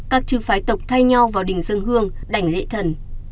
các chư phái tộc thay nhau vào đình dân hương đảnh lễ thần